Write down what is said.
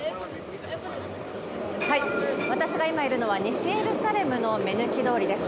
私が今いるのは西エルサレムの目抜き通りです。